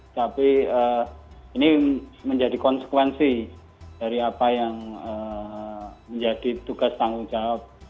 tapi ini menjadi konsekuensi dari apa yang menjadi tugas tanggung jawab